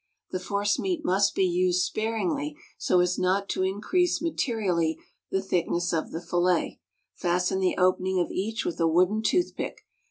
The force meat must be used sparingly, so as not to increase materially the thickness of the fillet; fasten the opening of each with a wooden toothpick.